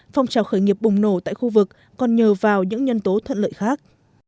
phong trào khởi nghiệp bùng nổ tại khu vực còn nhờ vào những nhân tố thuận lợi khác